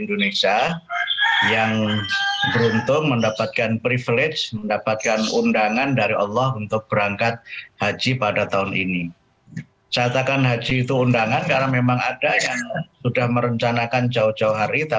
usianya itu adalah usia